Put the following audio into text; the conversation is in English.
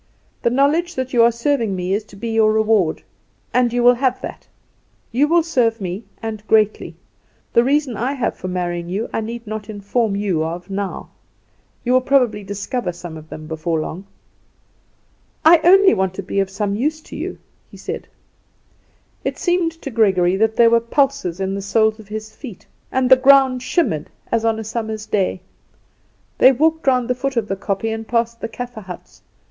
The knowledge that you are serving me is to be your reward; and you will have that. You will serve me, and greatly. The reasons I have for marrying you I need not inform you of now; you will probably discover some of them before long." "I only want to be of some use to you," he said. It seemed to Gregory that there were pulses in the soles of his feet, and the ground shimmered as on a summer's day. They walked round the foot of the kopje and past the Kaffer huts.